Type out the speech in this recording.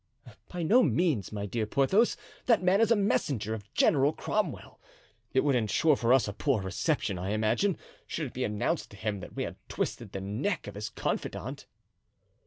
"By no means, my dear Porthos; that man is a messenger of General Cromwell; it would insure for us a poor reception, I imagine, should it be announced to him that we had twisted the neck of his confidant."